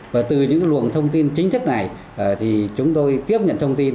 và từ những luồng thông tin chính thức này thì chúng tôi tiếp nhận thông tin